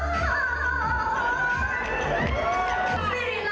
ยุโภคอีฮูลน์มิสแครนด์เร็กสุคีย์คอย